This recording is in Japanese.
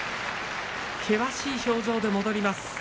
険しい表情で戻ります